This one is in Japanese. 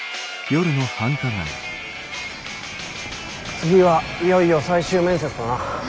次はいよいよ最終面接だな。